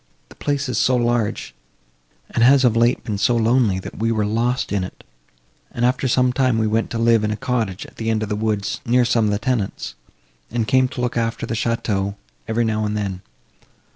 The place is so large, and has of late been so lonely, that we were lost in it, and, after some time, we went to live in a cottage at the end of the woods, near some of the tenants, and came to look after the château, every now and then.